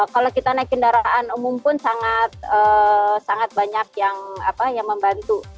kalau kita naik kendaraan umum pun sangat banyak yang membantu